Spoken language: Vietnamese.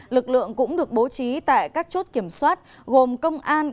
lực lượng cũng được bố trí tại các chốt kiểm soát gồm công an